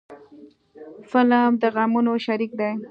فلم د غمونو شریک دی